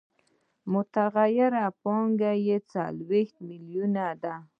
متغیره پانګه یې څلوېښت میلیونه ده